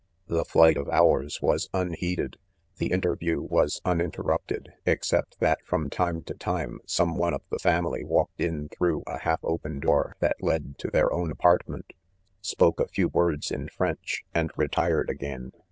The flight of hours was unheeded, the interview was unin terrupted ; except .that from time to time some one of the family walked in through a half opea door, that led to their own apartment, spoke a few words in French, and retired 'again.